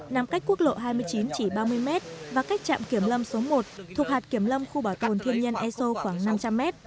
nằm cách quốc lộ hai mươi chín chỉ ba mươi m và cách trạm kiểm lâm số một thuộc hạt kiểm lâm khu bảo tồn thiên nhiên e sô khoảng năm trăm linh m